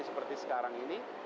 seperti sekarang ini